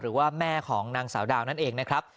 หรือว่าแม่ของนางสาวดาวนั่นเองนะครับ